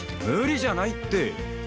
無理じゃないって！